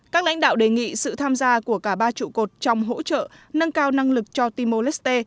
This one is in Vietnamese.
các lãnh đạo đề nghị sự tham gia của cả ba trụ cột trong hỗ trợ nâng cao năng lực cho timor leste